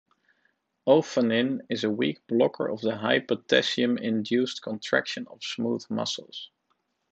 Ophanin is a weak blocker of the high potassium-induced contraction of smooth muscles.